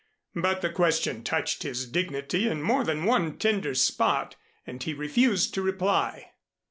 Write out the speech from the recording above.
But the question touched his dignity in more than one tender spot, and he refused to reply.